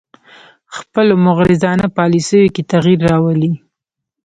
خپلو مغرضانه پالیسیو کې تغیر راولي